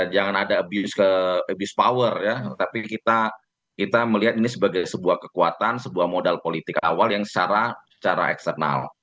jangan ada abuse power ya tapi kita melihat ini sebagai sebuah kekuatan sebuah modal politik awal yang secara eksternal